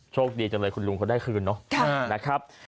โชคดีจังเลยคุณลุงก็ได้คืนนะครับ